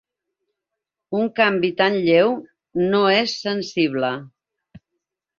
Un canvi tan lleu no és sensible.